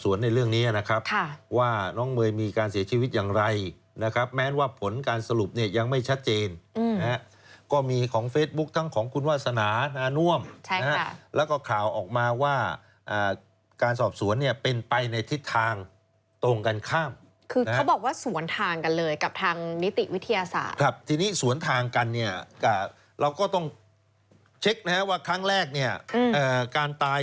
ส่วนในเรื่องนี้นะครับว่าน้องเมย์มีการเสียชีวิตอย่างไรนะครับแม้ว่าผลการสรุปเนี่ยยังไม่ชัดเจนนะฮะก็มีของเฟซบุ๊คทั้งของคุณวาสนานาน่วมแล้วก็ข่าวออกมาว่าการสอบสวนเนี่ยเป็นไปในทิศทางตรงกันข้ามคือเขาบอกว่าสวนทางกันเลยกับทางนิติวิทยาศาสตร์ครับทีนี้สวนทางกันเนี่ยเราก็ต้องเช็คนะฮะว่าครั้งแรกเนี่ยการตาย